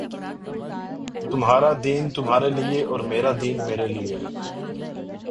تمہارا دین تمہارے لئے اور میرا دین میرے لئے ہے